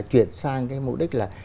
chuyển sang cái mục đích là